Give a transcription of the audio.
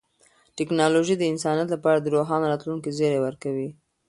ټیکنالوژي د انسانیت لپاره د روښانه راتلونکي زیری ورکوي.